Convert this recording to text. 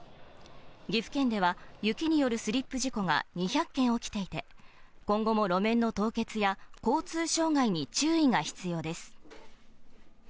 岐阜県では雪によるスリップ事故が２００件起きていて、今後も路面の凍結や、交通障害に注意が必要です。